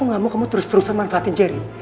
aku gak mau kamu terus terusan manfaatin cherry